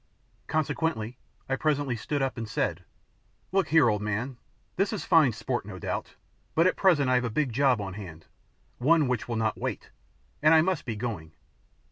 Consequently I presently stood up and said "Look here, old man, this is fine sport no doubt, but just at present I have a big job on hand one which will not wait, and I must be going.